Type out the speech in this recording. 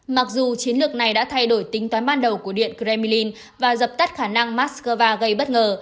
mặc dù chiến lược này đã thay đổi tính toán ban đầu của điện kremlin và dập tắt khả năng moscow gây bất ngờ